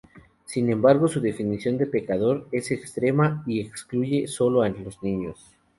Sin embargo, su definición de pecador es extrema y excluye solo a los niños.